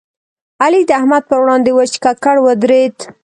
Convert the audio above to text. علي د احمد پر وړاندې وچ ککړ ودرېد.